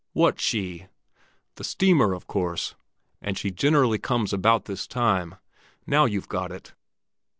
"What 'she'?" "The steamer, of course. And she generally comes about this time. Now you've got it!"